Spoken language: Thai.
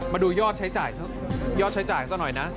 มาดูยอดใช้จ่ายยอดใช้จ่ายสักหน่อยนะ